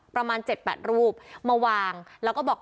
ประมาณ๗๘รูปมาวางแล้วก็บอก